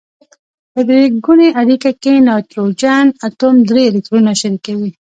په درې ګونې اړیکه کې نایتروجن اتوم درې الکترونونه شریکوي.